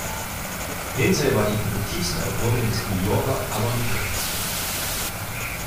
Lindsey war die produktivste Autorin des New Yorker Avon-Verlags.